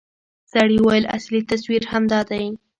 سړي وويل اصلي تصوير همدا دى.